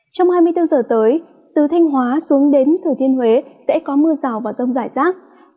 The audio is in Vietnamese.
trong hai mươi bốn giờ tới từ thanh hóa xuống đến thừa thiên huế sẽ có mưa rào và rông rải rác